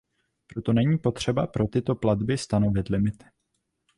Proto není třeba pro tyto platby stanovit limity.